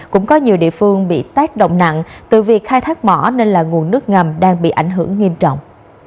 cũng có nhiều địa phương bị tác động nặng từ việc khai thác mỏ nên là nguồn nước ngầm đang bị ảnh hưởng nghiêm trọng